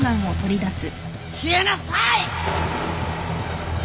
消えなさい！